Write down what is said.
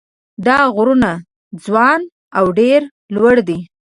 دا غرونه ځوان او ډېر لوړ دي.